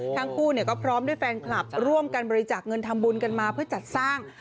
ทั้งคู่ก็พร้อมด้วยแฟนคลับร่วมกันบริจาคเงินทำบุญกันมาเพื่อจัดสร้าง